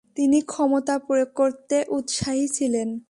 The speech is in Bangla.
তিনি ক্ষমতা প্রয়োগ করতে উৎসাহী ছিলেন।